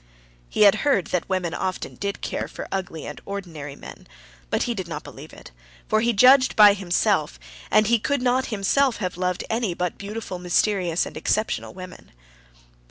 He had heard that women often did care for ugly and ordinary men, but he did not believe it, for he judged by himself, and he could not himself have loved any but beautiful, mysterious, and exceptional women.